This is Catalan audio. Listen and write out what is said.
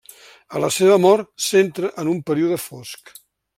A la seva mort s'entra en un període fosc.